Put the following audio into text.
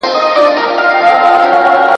عدالت به موږ له کومه ځایه غواړو !.